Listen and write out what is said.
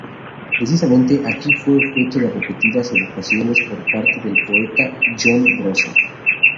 Precisamente aquí fue objeto de repetidas evocaciones por parte del poeta Joan Brossa.